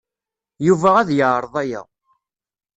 Yuba ad yeɛreḍ aya.